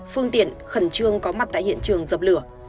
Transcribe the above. phương tiện khẩn trương có mặt tại hiện trường dập lửa